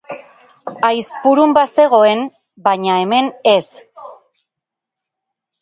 Aizpurun bazegoen, baina hemen ez.